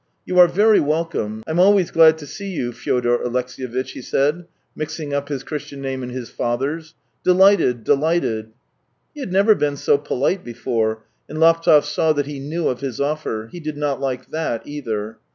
" You are very welcome. I'm always glad to see you, Fyodor Alexeyitch," he said, mixing up his Christian name and his father's. " Delighted, delighted !" He had never been so polite before, and Laptev saw that he knew of his offer; he did not like that either.